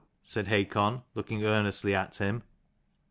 " said Hakon, looking earnestly at him.